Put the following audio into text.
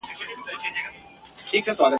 نه حبیب سته نه طبیب سته نه له دې رنځه جوړیږو !.